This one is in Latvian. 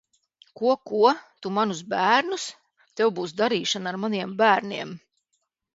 Ko, ko? Tu manus bērnus? Tev būs darīšana ar maniem bērniem!